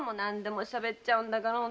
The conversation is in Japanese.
しゃべっちゃうんだからもう。